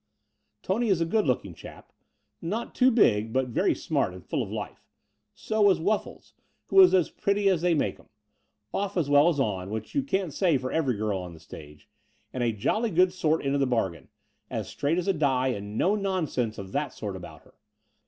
Tony is a good looking chap not too big, but very smart and full of life. So was Wuffles, who was as pretty as they make 'em, off as well as on, which you can't say for every girr on the stage, and a jolly good sort into the bargain, as straight as a die and no nonsense of that sort about her.